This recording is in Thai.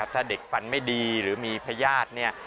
ถ้าเด็กฟันไม่ดีหรือมีพยาธิ